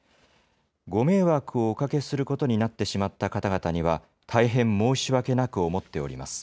ご迷惑をおかけすることになってしまった方々には、大変申し訳なく思っております。